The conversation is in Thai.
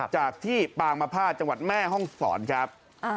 จากที่ปางมภาษจังหวัดแม่ห้องศรครับ